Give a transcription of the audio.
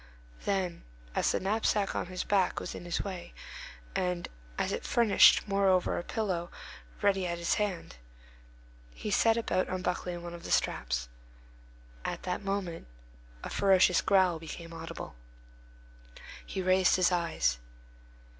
Then, as the knapsack on his back was in his way, and as it furnished, moreover, a pillow ready to his hand, he set about unbuckling one of the straps. At that moment, a ferocious growl became audible. He raised his eyes.